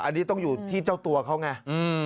อันนี้ต้องอยู่ที่เจ้าตัวเขาไง